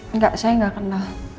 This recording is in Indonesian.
enggak saya enggak kenal